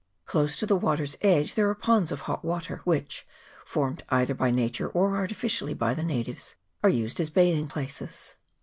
Close to the water's edge there are ponds of hot water, which, formed either by nature or artificially by the natives, are used as bathing places.